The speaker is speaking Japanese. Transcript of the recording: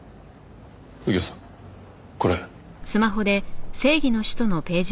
右京さんこれ。